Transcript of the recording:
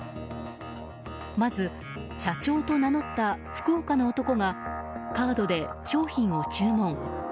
まず社長と名乗った福岡の男がカードで商品を注文。